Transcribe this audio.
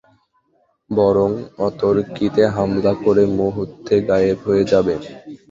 বরং অতর্কিতে হামলা করে মুহূর্তে গায়েব হয়ে যাবে।